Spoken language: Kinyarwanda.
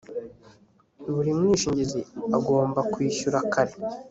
buri mwishingizi agomba kwishyura kare